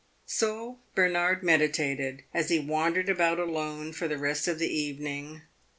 So Bernard meditated, as he wandered about alone for the rest of the evening.